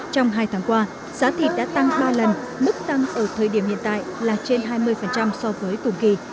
trong hai tháng qua giá thịt đã tăng ba lần mức tăng ở thời điểm hiện tại là trên hai mươi so với cùng kỳ